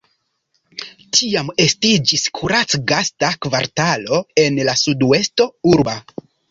Tiam estiĝis kuracgasta kvartalo en la suduesto urba.